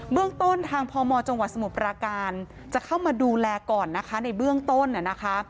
เรื่องต้นทางพมจังหวัดสมุทรปราการจะเข้ามาดูแลก่อนนะคะในเบื้องต้นนะคะ